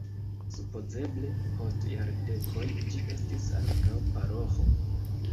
Supozeble post jardekoj ĝi estis ankaŭ paroĥo.